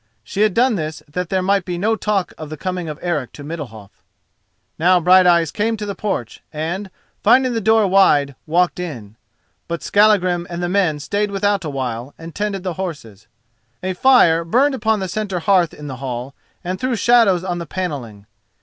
She had done this that there might be no talk of the coming of Eric to Middalhof. Now Brighteyes came to the porch, and, finding the door wide, walked in. But Skallagrim and the men stayed without a while, and tended the horses. A fire burned upon the centre hearth in the hall, and threw shadows on the panelling.